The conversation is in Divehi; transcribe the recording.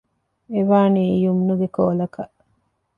އެވާނީ ޔުމްނުގެ ކޯލަކަށް